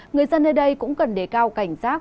người dân nơi đây cũng cần đề cao cảnh giác